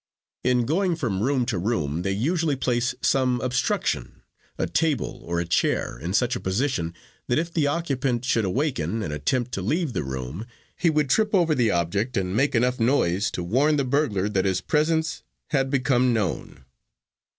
In going from room to room, they usually place some obstruction, a table or a chair, in such a position that if the occupant should awaken and attempt to leave the room, he would trip over the object and make enough noise to warn the burglar that his presence had become known.